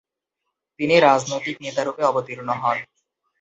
তিনি রাজনৈতিক নেতারূপে অবতীর্ণ হন।